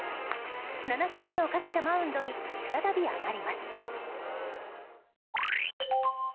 ７勝目をかけたマウンドに再び上がります。